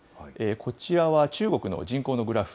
こちらは中国の人口のグラフ。